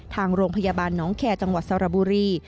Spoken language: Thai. ทางโรงพยาบาลน้องแคร์จังหวัดสระบุรี